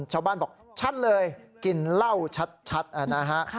ชาวบ้านบอกชัดเลยกินเหล้าชัดนะฮะ